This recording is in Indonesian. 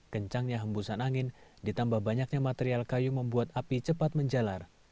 kencangnya hembusan angin ditambah banyaknya material kayu membuat api cepat menjalar